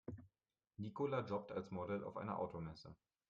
Nicola jobbt als Model auf einer Automesse.